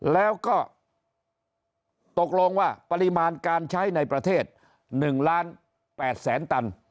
แล้วก็ตกลงว่าปริมาณการใช้ในประเทศ๑ล้าน๘แสนตัน